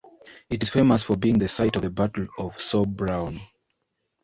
It is famous for being the site of the Battle of Sobraon.